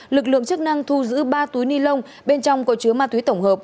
lực lượng chức năng thu giữ ba túi ni lông bên trong có chứa ma túy tổng hợp